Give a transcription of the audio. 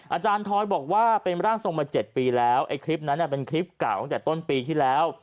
อาจารย์ทอยบอกว่าเป็นร่างทรงมา๗ปีแล้วไอ้คลิปนั้นเป็นคลิปเก่าตั้งแต่ต้นปีที่แล้ว